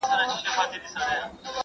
دوستي بايد بې غرضه وي.